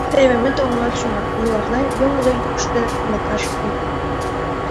Теве ме толынат шуна, — юарлен, йоҥгыдо йӱкшӧ дене уныкаже ойла.